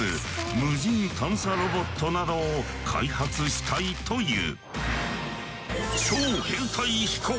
無人探査ロボットなどを開発したいという。